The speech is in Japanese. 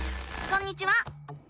こんにちは。